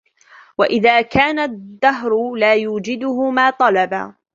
وَإِذَا كَانَ الدَّهْرِ لَا يُوجِدُهُ مَا طَلَبَ